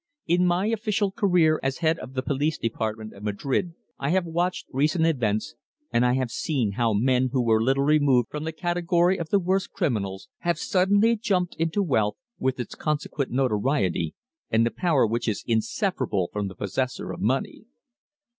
"In my official career as head of the police department of Madrid, I have watched recent events, and I have seen how men who were little removed from the category of the worst criminals, have suddenly jumped into wealth, with its consequent notoriety, and the power which is inseparable from the possessor of money."